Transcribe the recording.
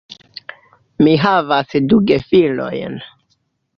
Mi havas du gefilojn.